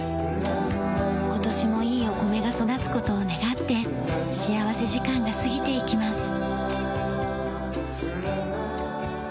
今年もいいお米が育つ事を願って幸福時間が過ぎていきます。